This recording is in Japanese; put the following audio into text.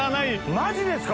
マジですか？